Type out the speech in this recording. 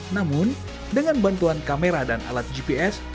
namun dengan bantuan kamera dan alat gps